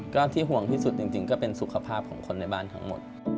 ก็ที่ห่วงที่สุดจริงก็เป็นสุขภาพของคนในบ้านทั้งหมด